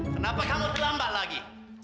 kenapa kamu terlambat lagi